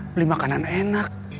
beli makanan enak